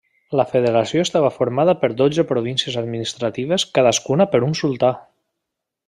La federació estava formada per dotze províncies administrades cadascuna per un sultà.